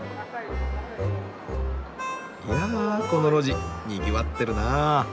いやこの路地にぎわってるな。